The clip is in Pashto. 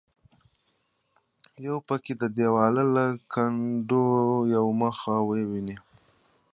یو پکې د دیواله له کنډوه یو مخ وویني.